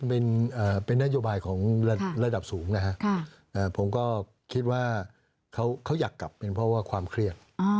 เป็นนโยบายของระดับสูงนะฮะผมก็คิดว่าเขาอยากกลับเป็นเพราะว่าความเครียด